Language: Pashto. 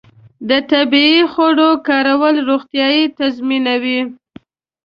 د طبیعي خوړو کارول روغتیا تضمینوي.